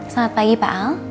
selamat pagi pak al